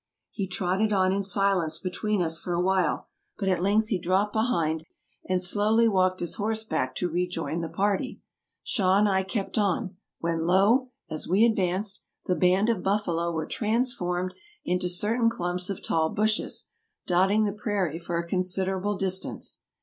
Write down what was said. He trotted on in silence be tween us for a while: but at length he dropped behind, and slowly walked his horse back to rejoin the party. Shaw and I kept on ; when lo ! as we advanced, the band of buffalo were transformed into certain clumps of tall bushes, dotting the prairie for a considerable distance.